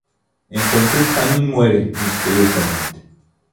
Entonces Hannon muere misteriosamente.